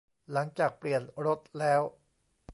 หลังจากเปลี่ยนรถแล้ว